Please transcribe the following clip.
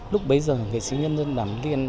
nghệ sĩ nhân dân đàm liên